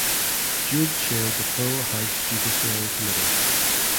Jude chaired the full House Judiciary Committee.